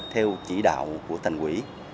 theo chỉ đạo của thành quỷ